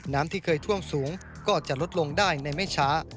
ที่เคยท่วมสูงก็จะลดลงได้ในไม่ช้า